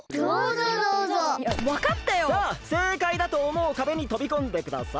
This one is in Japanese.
さあせいかいだとおもうかべにとびこんでください！